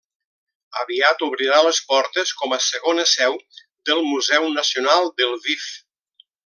Aviat obrirà les portes com a segona seu del Museu nacional de Lviv.